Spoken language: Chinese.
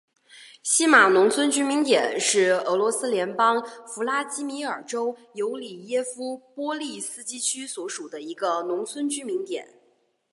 锡马农村居民点是俄罗斯联邦弗拉基米尔州尤里耶夫波利斯基区所属的一个农村居民点。